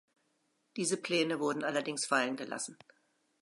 Diese Pläne wurden allerdings fallengelassen.